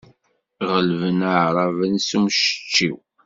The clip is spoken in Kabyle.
Ɣelben aɛraben s umceččew.